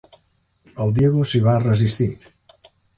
El Diego s'hi va resistir.